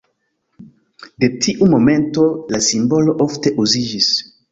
De tiu momento la simbolo ofte uziĝis.